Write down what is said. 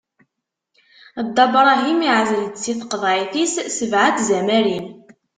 Dda Bṛahim iɛezl-d si tqeḍɛit-is sebɛa n tzamarin.